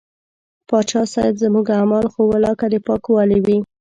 پاچا صاحب زموږ اعمال خو ولاکه د پاکوالي وي.